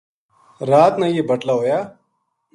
رات نا یہ بٹلا ھویا